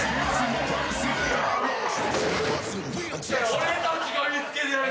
俺たちが見つけてやる！